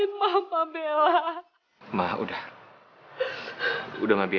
kita tidak boleh tinggalin mama bena